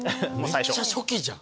めっちゃ初期じゃん。